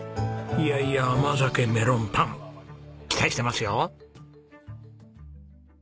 いやいや甘酒メロンパン期待してますよ。